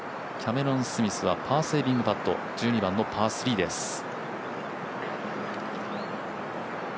キャメロン・スミスはパーセービングパット１２番のパー３です。